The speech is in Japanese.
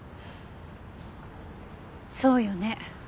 そうよね。